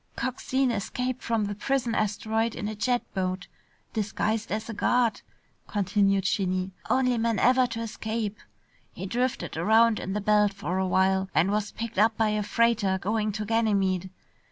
"Coxine escaped from the prison asteroid in a jet boat, disguised as a guard," continued Shinny. "Only man ever to escape. He drifted around in the belt for a while and was picked up by a freighter going to Ganymede.